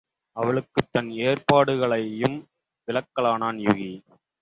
அவளுக்குத் தன் ஏற்பாடுகளையும் விளக்கலானான் யூகி.